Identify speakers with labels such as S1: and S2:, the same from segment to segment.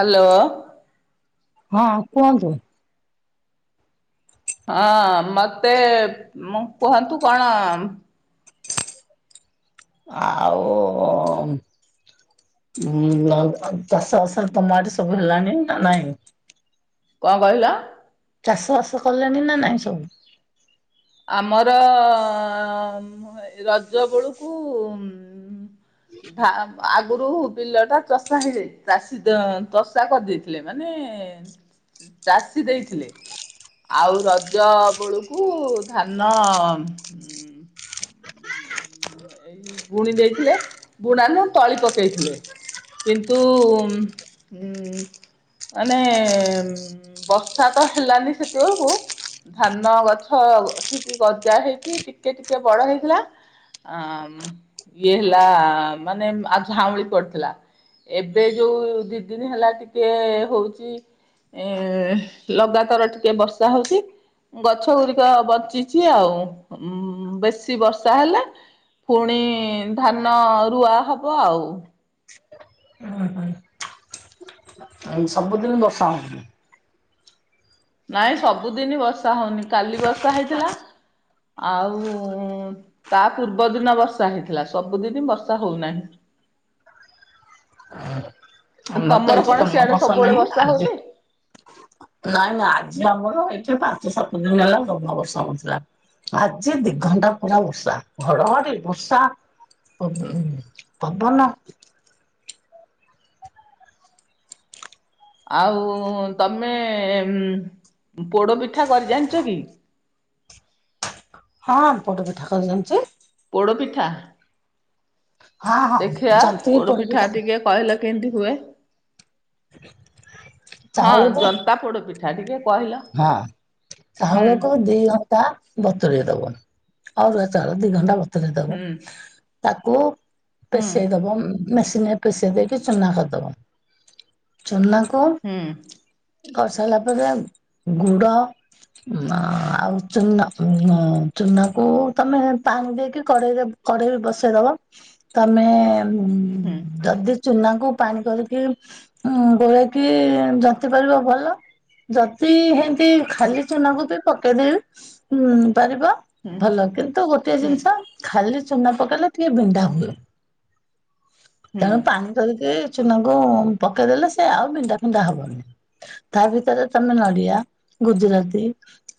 S1: Hello
S2: ହଁ କୁହନ୍ତୁ।
S1: ହଁ ମତେ, ମୁଁ କୁହନ୍ତୁ କଣ?
S2: ଆଉ ହୁଁ [unintelligible] ଚାସ ଆସ ତମ ଆଡେ ସବୁ ହେଲାଣି ନା ନହିଁ।
S1: କଣ କହିଲ?
S2: ଚାଷ ବାସ କଲେଣି ନା ନାଇଁ ସବୁ।
S1: ଆମର ରଜ ବେଳକୁ ଧାମ୍ ଆଗୁରୁ ବିଲ ଟା ଚଷା ହେଇଯାଇ ଚାଷୀ ଚଷା କରିଦେଇଥିଲେ ମାନେ ଚାଷୀ ଦେଇଥିଲେ, ଆଉ ରଜ ବେଳୁକୁ ଧାନ ଏଇ ବୁଣି ଦେଇଥିଲେ, ବୁଣା ନୁହଁ ତଳି ପକେଇଥିଲେ କିନ୍ତୁ ଉଁ ମାନେ ବର୍ଷା ତ ହେଲାନି ସେତିବେଳକୁ ଧାନ ଗଛ ଠିକ ଗଜା ହେଇଛି, ଟିକେ ଟିକେ ବଡ ହେଇଥିଲା ଆ ଇଏ ହେଲା ମାନେ ଆ ଝାଉଁଳି ପଡିଥିଲା। ଏବେ ଯୋଉ ଦି ଦିନ ହେଲା ଟିକେ ହୋଉଛି ଏ ଲଗାତାର ଟିକେ ବର୍ଷା ହଉଛି ଗଛ ଗୁରିକ ବଞ୍ଚିଛି ଆଉ। ବେଶୀ ବର୍ଷା ହେଲେ ପୁଣି ଧାନ ରୁଆ ହବ ଆଉ।
S2: ଉଁ ହୁଁ ସବୁଦିନ ବର୍ଷା ହୋଉନି
S1: ନାଇଁ ସବୁଦିନ ବର୍ଷା ହଉନି କାଲି ବର୍ଷା ହେଇଥିଲା ଆଉ ତା ପୂର୍ବ ଦିନ ବର୍ଷା ହେଇଥିଲା, ସବୁଦିନ ବର୍ଷା ହୋଉନାହିଁ।
S2: ଆମର ତ
S1: ତମର
S2: ଏଠି
S1: କଣ
S2: ଜମା
S1: ସିଆଡେ
S2: ବର୍ଷା
S1: ସବୁବେଳେ
S2: ନାହିଁ ଆଜି
S1: ହଉଛି
S2: ନାଇଁ ଆଜି ଆମର ଏଇଠି ପାଞ୍ଚ, ସାତ ଦିନ ହେଲା ଜମା ବର୍ଷା ହଉନଥିଲା। ଆଜି ଦିଘଣ୍ଟା ପୁରା ବର୍ଷା, ଘଡଘଡି ବର୍ଷା। ଉଁ ପବନ
S1: ଆଉ ତମେ ପୋଡ ପିଠା କରି ଜାଣିଛ କି?
S2: ହଁ ପୋଡ ପିଠା କରି ଜାଣିଛି।
S1: ପୋଡପିଠା,
S2: ହଁ ହଁ
S1: ଦେଖିଆ
S2: ଜନ୍ତିକି
S1: ପୋଡପିଠା ଟିକେ କହିଲ କେମିତି ହୁଏ? ହଁ
S2: ଚାଉଳକୁ
S1: ଜନ୍ତା ପୋଡପିଠା। ଠା ଟିକେ କହିଲ
S2: ହଁ,
S1: ହୁଁ
S2: [unintelligible] ଦି ଘ ତା ବତୁରେଇଦବ। ଆରୁଆ ଚାଉଳ ଦି ଘଣ୍ଟା ବତୁରେଇଦବ।
S1: ହୁଁ
S2: ତାକୁ
S1: ହୁଁ
S2: ପେଷେଇଦବ, ମେସିନରେ ପେଷେଇ ଦେଇକି ଚୁନା କରିଦବ। ଚନାକୁ
S1: ହୁଁ
S2: କରିସାଇଲା ପରେ ଗୁଡ ଆଉ ଚୁନ, ଚୁନାକୁ ତମେ ପାଣି ଦେଇକି କଡେଇରେ କଡେଇ ବି ବସେଇଦବ ତମେ ଉ
S1: ହୁଁ
S2: ଯଦି ଚୁନାକୁ ପାଣି କରିକି ଗୋଳେଇକି ଯନ୍ତି ପାରିବ ଭଲ ଜ ସେ ହେମତି
S1: ହୁଁ
S2: ଖାଲି ଚୁନାକୁ ବି ପକେଇଦବି ଉ ପାରିବ।
S1: ହୁଁ
S2: ଭଲ କିନ୍ତୁ ଗୋଟେ
S1: ହୁଁ
S2: ଜିନିଷ। ଖାଲି ଚୁନା ପକେଇଲେ ଟିକେ ବିଣ୍ଡା ହୁଏ ତେଣୁ
S1: ହୁଁ
S2: ପାଣି ପାଣି ଚୁନାକୁ ପକେଇଦେଲେ ସେ ଆଉ। ବିଣ୍ଡା ଫଣ୍ଡା ହବନି ତା ଭିତରେ ତମେ, ନଡ଼ିଆ, ଗୁଜୁରାତି,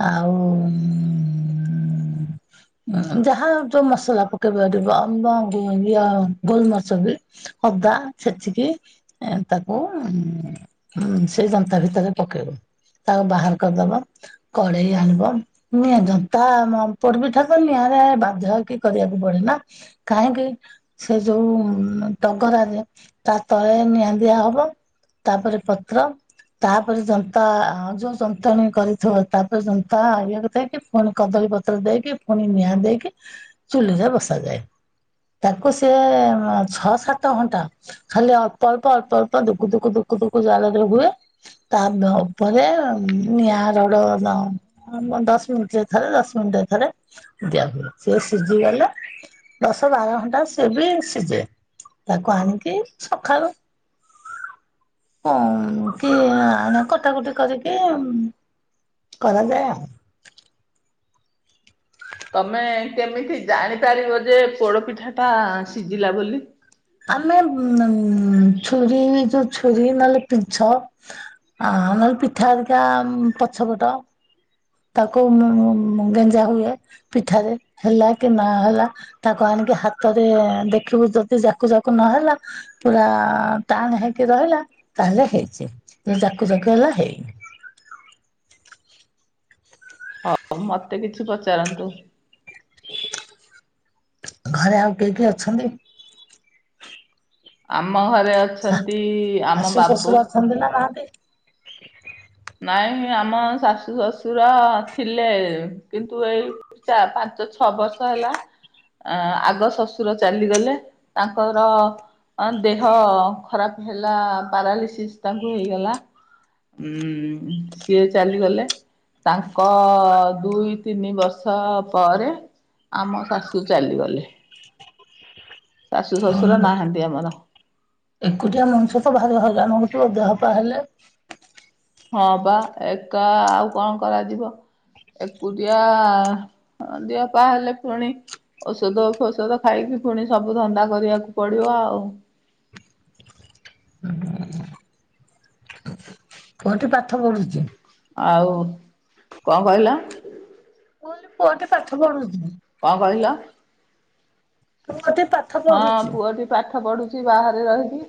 S2: ଆଉ ଉଁ। ଯାହା ଯୋଉ ମସଲା ପକେଇବା ଦିବ ଆମ୍ବ ଇ ଗୋଲମଛ ବି। ଅଦା ଛେଚିକି। ଏ ତାକୁ ସେ ଜନ୍ତା ଭିତରେ ପକେଇବ। ତାକୁ ବାହାର କରିଦବ କଡେଇ ଆଣିବ। ନିଆଁତା ପୋଡପିଠାକ ନିଆଁରେ ବାଧ୍ୟ କି କରିବାକୁ ପଡେ ନା। କାହିଁକି। ସେ ଯୋଉ ଟଗରା ଯେ ତା ତଳେ ନିଆଁ ଦିଆ ହବ। ତାପରେ ପତ୍ର ତାପରେ ତା ଯୋଉ ଯନ୍ତ୍ରଣୀ କରିଥିବ ତାପରେ ଯନ୍ତା ଇଆକୁ ଥାଏ କି ପୁଣି କଦଳୀପତ୍ର ଦେଇକି। ପୁଣି ନିଆଁ ଦେଇକି ଚୁଲିରେ ବସାଯାଏ। ତାକୁ ସେ ଛଅ ସାତ ଘଣ୍ଟା। ଖାଲି ଅଳ୍ପ ଅଳ୍ପ ଅଳ୍ପ ଅଳ୍ପ ଦୁଖୁ ଦୁଖୁ ଦୁଃଖୁ ଦୁଖୁ ଜାରେ ହୁଏ ତା ଆମେ ହବ ପରେରେ ନିଆଁ ରଡ ଦଶ ମିନିଟ ଥରେ ଦଶ ମିନିଟ ଥରେ। ଦିଆ ହଏ ସିଏ ସିଝିଗଲେ ଦଶ ବାର ଘଣ୍ଟା ସିଏ ବି ସିଝେ। ତାକୁ ଆଣିକି ସକାଳୁ। ହ କି [unintelligible] କୁଟା କୁଟି କରିକି କରାଯାଏ ଆଉ।
S1: ତମେ କେମିତି ଜାଣିପାରିବ ଯେ ପୋଡ ପିଠା ଟା ସିଜିଲା ବୋଲି?
S2: ଆମେ ଛୁରୀ ଯୋଉ ଛୁରୀ ନହେଲେ ପିଞ୍ଚ। ଆ ନହେଲେ ପିଠା ଆରିକା ପଛ ପଟ। ତାକୁ ଗେଞ୍ଜା ହୁଏ ପିଠାରେ ହେଲା କି ନା ହେଲା। ତାକୁ ଆଣିକି ହାତରେ ଦେଖିବୁ ଯଦି ଯାକୁ ଯାକୁ ନହେଲା ପୁରା ଟାଣ ହେଇକି ରହିଲା ତାହେଲେ ହେଇଛି ଜେଦି ଯାକୁ ଯାକୁ ହେଲା ହେଇନି।
S1: ହଉ ମତେ କିଛି ପଚାରନ୍ତୁ।
S2: ଘରେ ଆଉ କିଏ କିଏ ଅଛନ୍ତି।
S1: ଆମ ଘରେ ଅଛନ୍ତି ଆମ ବାବୁ।
S2: ଛୁଆ ପିଲା ନାହାନ୍ତି।
S1: ନାଇଁ ଆମ ଶାଶୁ ଶଶୁର ଥିଲେ କିନ୍ତୁ ଏଇ ପାଞ୍ଚ ଛଅ ବର୍ଷ ହେଲା ଆ ଆଗ ଶଶୁର ଚାଲିଗଲେ ତାଙ୍କର ତାଙ୍କ ଦେହ ଖରାପ ହେଲା ପାରାଲିସିସ୍ ତାଙ୍କୁ ହେଇଗଲା। ହୁଁ ସିଏ ଚାଲିଗଲେ। ତାଙ୍କ ଦୁଇ ତିନି ବର୍ଷ ପରେ ଆମ ଶାଶୁ ଚାଲିଗଲେ ଶାଶୁ ଶ୍ୱଶୁର ନାହାନ୍ତି ଆମର।
S2: ଏକୁଟିଆ ମଣିଷ ତ ଭାରି ହଇରାଣ ହୋଉଥିବ ଦେହ ପା ହେଲେ।
S1: ହଁ ପା ଏକା ଆଉ କଣ କରାଯିବ। ଏକୁଟିଆ ଦେହ ପା ହେଲେ ଫୁଣି ଔଷଧ ଫୋସଦ ଖାଇକି ଫୁଣି ସବୁ ଧନ୍ଦା କରିବାକୁ ପଡିବ ଆଉ।
S2: କୋଉଠି ପାଠ ପଢୁଛି।
S1: ଆଉ କଣ କହିଲ?
S2: ମୁଁ କହିଲି ପୁଅ ଟି ପାଠ ପଢୁଚି।
S1: କଣ କହିଲ?
S2: ପୁଅଟି ପାଠ
S1: ହଁ
S2: ପଢୁଛି।
S1: ପୁଅଟି ପାଠ ପଢୁଛି ବାହାରେ ରହିକି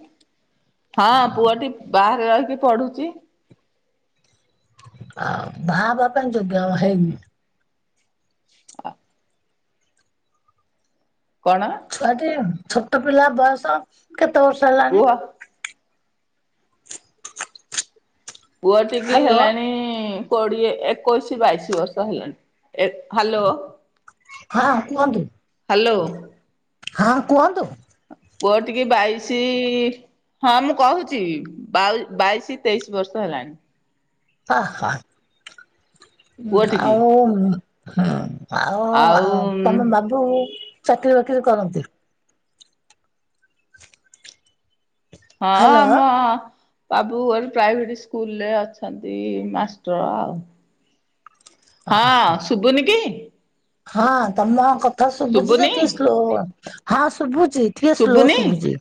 S1: ହଁ ପୁଅଟି ବାହାରେ ରହିକି ପଢୁଚି
S2: ବାହା ହବା ପାଇଁ ଯୋଗ୍ୟ ହେଇନି
S1: [unintelligible] କଣ?
S2: ଛୁଆଟି ଛୋଟ ପିଲା ବୟସ କେତେ ବର୍ଷ ହେଲାଣି?
S1: କୁହ? ପୁଅ ଟିକି
S2: ହ୍ୟାଲୋ
S1: ହେଲାଣି କୋଡିଏ ଏକୋଇଶି ବାଇଶି ବର୍ଷ ହେଲାଣି ହ୍ୟାଲୋ
S2: ହଁ କୁହନ୍ତୁ
S1: ହ୍ୟାଲୋ।
S2: ହଁ କୁହନ୍ତୁ।
S1: ପୁଅ ଟିକି ବାଇଶି ହଁ ମୁଁ କହୁଚି ବାଇଶି ତେଇଶି ବର୍ଷ ହେଲାଣି।
S2: ଅ ହ
S1: ପୁଅଟିକି।
S2: ଆଉ ଆଉ ତମ ବାବୁ ଚାକିରି ବାକିରି କରନ୍ତି।
S1: ହଁ
S2: ହ୍ୟାଲୋ
S1: ଆମ ବାବୁଗୋଟେ ପ୍ରାଇଭେଟି ସ୍କୁଲ ରେ ଅଛନ୍ତି ମାଷ୍ଟର ଆଉ ହଁ ଶୁବୁନି କି
S2: ହଁ ତମ କଥା ସୁବୁଚି ଯେ
S1: ଶୁଭୁନି
S2: ଟିକେ ସ୍ଲୋ ହଁ ଶୁଭୁଛି ଟିକେ ସ୍ଲୋ
S1: ଶୁଭୁନି
S2: ଶୁଭୁଛି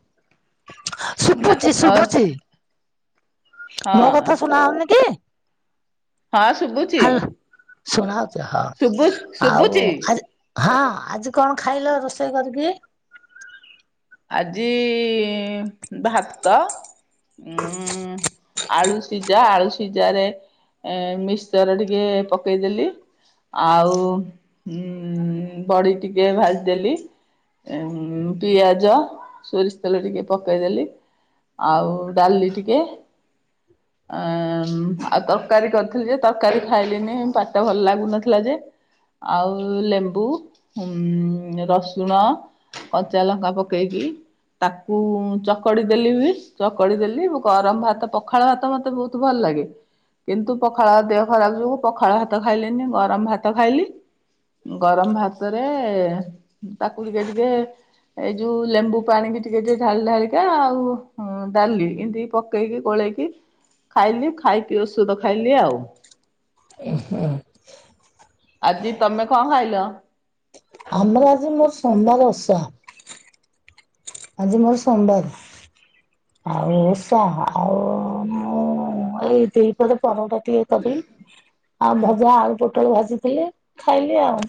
S1: ନା
S2: ଶୁଭୁଛି
S1: ଅ
S2: ଶୁଭୁଛି ମୋ
S1: ହଁ।
S2: କଥା ଶୁଣାଯାଉନି କି?
S1: ହଁ ଶୁଭୁଛି
S2: ହ୍ଯାଲୋ ଶୁଣା ଯାଉଛି
S1: ଶୁଭୁ
S2: ହଉ ଆଉ
S1: ଶୁଭୁଛି।
S2: ହଁ ଆଜି କଣ ଖାଇଲ ରୋଷେଇ କରିକି?
S1: ଆଜି ଭାତ ଉଁ ଆଳୁ ସିଝା ଆଳୁ ସିଝାରେ ମିକ୍ସଚର ଟିକେ ପକେଇଦେଲି ଆଉ ଉଁ ବଡି ଟିକେ ଭାଜିଦେଲି ପିଆଜ ପିଆଜ ସୋରିଷ ତେଲ ଟିକେ ପକେଇଦେଲି ଆଉ ଡାଲି ଟିକେ
S2: [inaudible]
S1: ଆ ଆଉ ତରକାରୀ କରିଥିଲି ଯେ ତରକାରୀ ଖାଇଲିନି ପାଟି ଭଲ ଲାଗୁନଥିଲା ଯେ ଆଉ ଲେମ୍ବୁ ଉ ରସୁଣ କଞ୍ଚା ଲଙ୍କା ପକେ ପକେଇକି ତାକୁ ଚକଟି ଦେଲି ଚକଟି ଦେଲି ଗରମ ଭାତ ପଖାଳ ଭାତ ମତେ ବହୁତ ଭଲ ଲାଗେ କିନ୍ତୁ ପଖାଳ ଦେହ ଖରାପ ଯୋଗୁ ପଖାଳ ଭାତ ଖାଇଲିନି ଗରମ ଭାତ ଖାଇଲି ଗରମ ଭାତରେ ତାକୁ ଟିକେ ଟିକେ ଏଇ ଯୋଉ ଲେମ୍ବୁ ପାଣି ବି ଟିକେ ଟିକେ ଢାଳି ଢାଳିକା ଆଉ ଡାଲି ଏମତି ପକେଇକି ଗୋଳେଇକି ଖାଇଲି ଖାଇକି ଔଷଧ ଖାଇଲି ଆଉ
S2: [inaudible]
S1: ଆଜି ତମେ କଣ ଖାଇଲ?
S2: ଆମର ଆଜି ମୋର ସୋମବାର ଓସା ଆଜି ମୋର ସୋମବାର ଆଉ ଓଷା ଆଉ ମୁଁ ଏଇ ଦିପହରେ ପରଟା ଟିକେ କଲି ଆଉ ଭଜା ଆଳୁ ପୋଟଳ ଭାଜିଥିଲେ ଖାଇଲି ଆଉ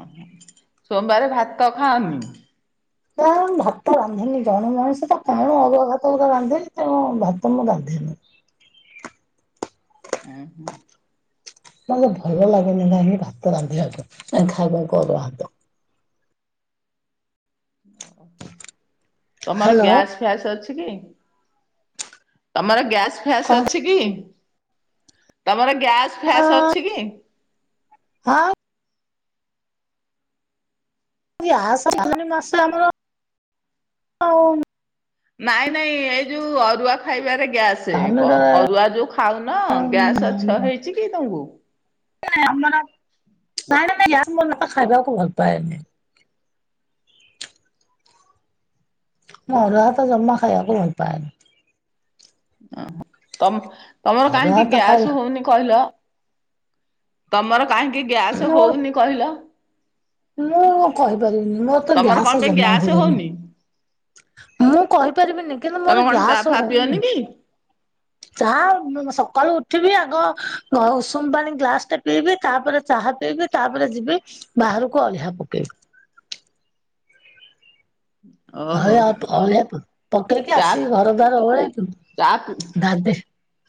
S1: ଓହୋ ସୋମବାର ଭାତ ଖାଅନି?
S2: [inaudible] ଭାତ ରାନ୍ଧେନି ଜଣେ ମଣିଷ ତ କଣ ଅରୁଆ ଭାତ ଗୁଣରେ କଣ ରାନ୍ଧିବି ତେଣୁ ଭାତ ମୁଁ ରାନ୍ଧେନି।
S1: ହଁ ହୁଁ।
S2: ମତେ ଭଲ ଲାଗେନି ନା ଭାତ ରାନ୍ଧିବାକୁ ଖାଇବାକୁ ଅରୁଆ ଭାତ।
S1: ଓ ହୋ ତମର
S2: ହାଲୋ
S1: ଗ୍ୟାସ୍ ଗ୍ୟାସ ଅଛି କି ତମର ଗ୍ୟାସ୍ ଫ୍ୟାସ୍
S2: କଣ
S1: ଅଛି କି? ତମର ଗ୍ୟାସ୍
S2: ହଁ
S1: ଫ୍ୟାସ୍ ଅଛି କି?
S2: ହଁ। ଗ୍ୟାସ୍ ମାସେ ଆମର ଆ
S1: ନାଇଁ ନାଇଁ ଏଇ ଯୋଉ ଅରୁଆ ଖାଇବାରେ ଗ୍ୟାସ୍। ସେ
S2: ତାହେଲେ
S1: କ ଅରୁଆ ଯୋଉ ଖାଉନ ଗ୍ୟାସ୍ ଅଛି ହେଇଛି କି ତମକୁ?
S2: ନଁ ଆ ନାଇଁ ନ ନାଇ ୟ ମନ ନା ଖାଇବାକୁ ଭଲ ପାଏନାଇ। ମୁଁ ଅରୁଆ ଭାତ ଜମା ଖାଇବାକୁ ଭଲପାଏନି।
S1: ଓ ତମ ତମର
S2: ଅରୁଆ
S1: କାହିଁକି
S2: ଭାତ
S1: ଗ୍ୟାସ୍
S2: ଖାଇଲା
S1: ହଉନି? କହିଲ ତମର କାହିଁକି ଗ୍ୟାସ
S2: ମୋର
S1: ହଉନି କହିଲ?
S2: ମୁଁ କହିପାରିବିନି ମୋର ତ
S1: ତମର କଣ
S2: ଗ୍ୟାାସ
S1: ପାଇଁ
S2: ଜମା
S1: ଗ୍ୟାସ୍
S2: ହୁଏନି।
S1: ହଉନି?
S2: ମୁଁ କହିପାରିବିନି କିନ୍ତୁ
S1: ତମେ
S2: ମୋର
S1: କଣ ଚା
S2: ଗ୍ୟାସ
S1: ଫା ପିଅନି
S2: ହଉନି।
S1: କି?
S2: ଚାହା ସକାଳୁ ଉଠିବି ଆଗ ଉଷୁମ ପାଣି ଗ୍ଲାସ ଟେ ପିଇବି ତାପରେ ଚାହା ପିଇବି ତାପରେ ଯିବି ବାହାରକୁ ଅଳିଆ ପକେଇବି।
S1: ଓହୋ
S2: ହଳିଆ ଆଉ ଅଳିଆ ପକେଇକି
S1: ଚା
S2: ଆସିକି ଘର ଦ୍ୱାର
S1: ଚା
S2: ଅଳିଆ ନାବେ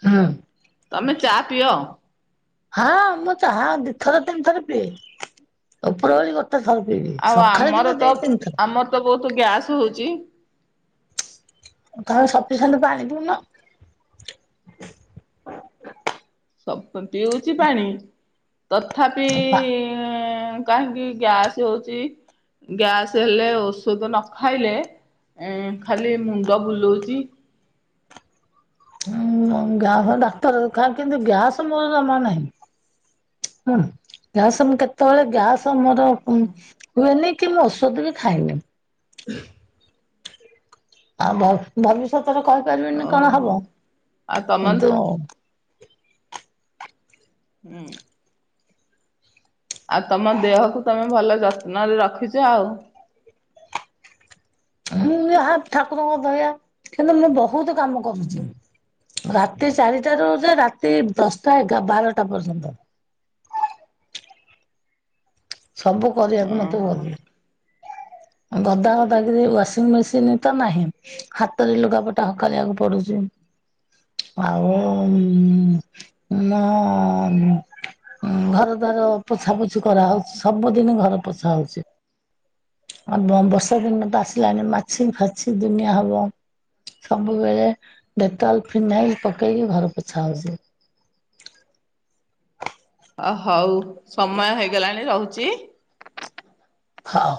S2: ହୁଁ।
S1: ତମେ ଚା ପିଅ?
S2: ହଁ ମୁଁ ଚା ଦିଇ ଥର ତିନି ଥର ପିଏ। ଉପରବେଳି ଗୋଟେ ଥର ପିଇବି
S1: ଆଉ
S2: ସକାଳେ
S1: ଆମର
S2: କିନ୍ତୁ
S1: ତ
S2: ଦି ତିନିଥର।
S1: ଆମର ତ ବହୁତ ଗ୍ୟାସ ହଉଛି।
S2: ତମେ ସଫିସିଣ୍ଟ ପାଣି ପିଉନ।
S1: ପିଉଛି ପାଣି ତଥାପି କାହିଁକି ଗ୍ୟାସ ହଉଛି? ଗ୍ୟାସ୍ ହେଲେ ଔଷଧ ନ ଖାଇଲେ ଏ ଖାଲି ମୁଣ୍ଡ ବୁଲଉଛି।
S2: ହଁ ଗ୍ୟାସ ଡାକ୍ତର ଦେଖା କିନ୍ତୁ ଗ୍ୟାସ ମୋର ଜମା ନାହିଁ। ହୁଁ ଗ୍ୟାସ କେତବେଳେ ଗ୍ୟାସ ମର ହୁଏନି କି ମୁଁ ଔଷଧ ବି ଖାଇନି। ଆଉ ଭବିଷ୍ୟତରେ କହିପାରିବିନି କଣ
S1: ଓହୋ
S2: ହବ
S1: ଆଉ ତମର
S2: କିନ୍ତୁ
S1: ହୁଁ। ଆଉ ତମ ଦେହକୁ ତମେ ଭଲ ଯତ୍ନରେ ରଖିଛ ଆଉ।
S2: ମୁଁ ଯାହା ଠାକୁରଙ୍କ ଦୟା କିନ୍ତୁ ମୁଁ ବହୁତ କାମ କରୁଛି। ରାତି ଚାରିଟା ରୁ ଯେ ରାତି ଦଶଟା ଏଗାରଟା ବାରଟା ପର୍ଯ୍ୟନ୍ତ। ସବୁ କରିବାକୁ ମତେ
S1: ଓହୋ
S2: ଭଲ ଗଦା ଗଦା କି ୱାସିଂ ମେସିନ୍ ତ ନାହିଁ ହାତରେ ଲୁଗାପଟା ହକାଳିବାକୁ ପଡୁଛି ଆଉ ନା ଘର ଦ୍ୱାର ପୋଛା ପୋଛି କରାହଉଛି। ସବୁଦିନ ଘରେ ପୋଛା ହଉଛି। ଆ ବର୍ଷା ଦିନ ତ ଆସିଲାଣି ମାଛି ଫାଛି ଦୁନିଆ ହବ। ସବୁବେଳେ ଡେଟଲ ଫିନାଇଲ ପକେଇକି ଘର ପୋଛା ହଉଛି।
S1: ଅ ହଉ ସମୟ ହେଇଗଲାଣି ରହୁଛି।
S2: ହଉ।